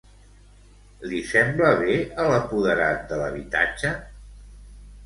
Li sembla bé a l'apoderat de l'habitatge?